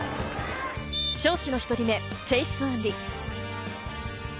尚志の１人目、チェイス・アンリ。